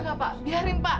enggak pak biarin pak